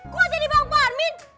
kok jadi bangkuan min